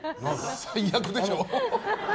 最悪でしょ。